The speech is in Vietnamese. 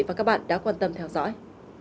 và các bạn đã quan tâm theo dõi